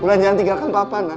wulan jangan tinggalkan bapak nak